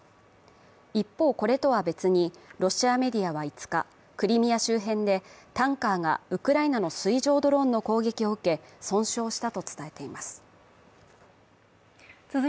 一方、これとは別に、ロシアメディアは５日、クリミア周辺でタンカーがウクライナの水上ドローンの攻撃を受け損傷したと伝えています。